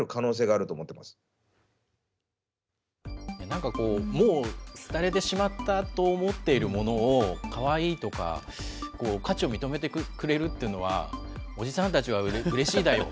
なんかこう、もうすたれてしまったと思っているものを、かわいいとか、価値を認めてくれるっていうのは、おじさんたちはうれしいだよ。